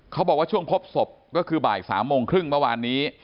เขาบอกว่าช่วงพบศพก็คือบ่าย๓โมงครึ่งเมื่อวานนี้